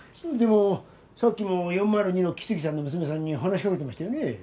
でもさっきも４０２の木次さんの娘さんに話しかけてましたよね？